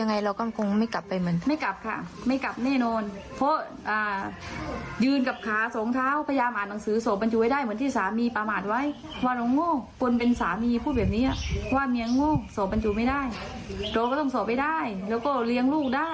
เนี่ยเราไม่มีหลักฐาน